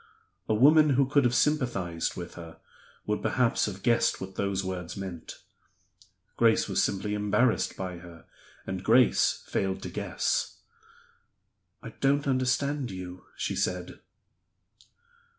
A woman who could have sympathized with her would perhaps have guessed what those words meant. Grace was simply embarrassed by her; and Grace failed to guess. "I don't understand you," she said.